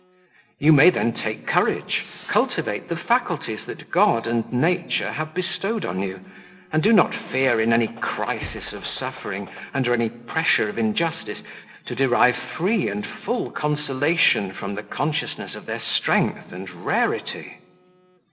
You may then take courage; cultivate the faculties that God and nature have bestowed on you, and do not fear in any crisis of suffering, under any pressure of injustice, to derive free and full consolation from the consciousness of their strength and rarity."